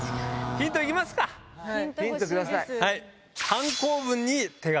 ヒントください。